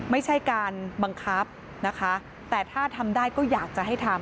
ไม่ใช่การบังคับนะคะแต่ถ้าทำได้ก็อยากจะให้ทำ